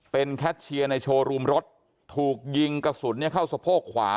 เป็นแคทเชียร์ในโชว์รูมรถถูกยิงกระสุนเข้าสะโพกขวา